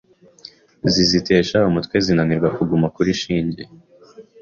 zizitesha umutwe zinanirwa kuguma kuri shinge